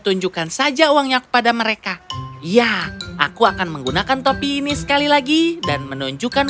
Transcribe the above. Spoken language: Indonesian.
tunjukkan saja uangnya kepada mereka ya aku akan menggunakan topi ini sekali lagi dan menunjukkan